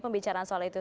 pembicaraan soal itu